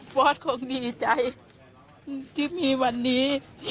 เพราะของดีใจที่มีวันนี้